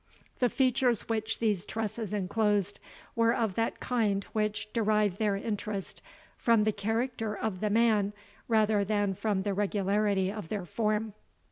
The features which these tresses enclosed, were of that kind which derive their interest from the character of the man, rather than from the regularity of their form.